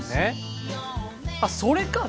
あっそれか！